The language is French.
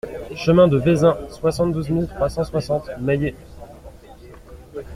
Chemin de Vezin, soixante-douze mille trois cent soixante Mayet